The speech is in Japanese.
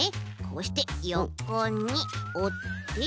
こうしてよこにおって。